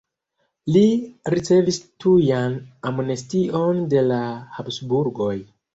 Li ricevis tujan amnestion de la Habsburgoj.